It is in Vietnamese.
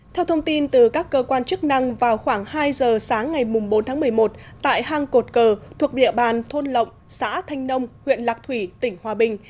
theo thông tin từ các cơ quan chức năng vào khoảng hai giờ sáng ngày bốn tháng một mươi một tại hang cột cờ thuộc địa bàn thôn lộng xã thanh nông huyện lạc thủy tỉnh hòa bình